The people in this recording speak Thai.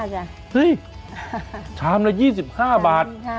เฮ้ยชามละ๒๕บาท๒๕บาท